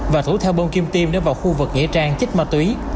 và thủ theo bông kim tiêm để vào khu vực nghĩa trang chích ma túy